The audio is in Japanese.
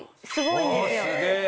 すげえ！